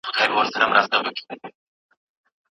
هغه هرڅه د دې زرکي برکت وو